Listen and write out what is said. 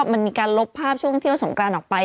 มันมีการลบภาพช่วงเที่ยวสงกรานออกไป